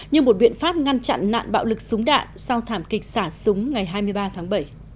như một biện pháp ngăn chặn nạn bạo lực súng đạn sau thảm kịch xả súng ngày hai mươi ba tháng bảy